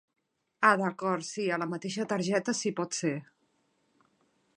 Ah d'acord, si a la mateixa targeta si pot ser.